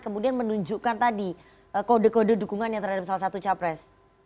kemudian menunjukkan tadi kode kode dukungannya terhadap salah satu capres